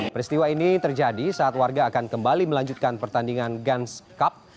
peristiwa ini terjadi saat warga akan kembali melanjutkan pertandingan guns cup